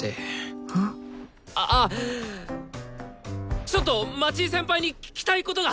あっちょっと町井先輩に聞きたいことが！